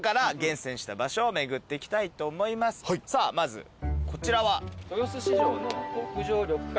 さあまずこちらは？